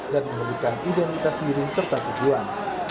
dan menyebutkan identitas diri serta kejilan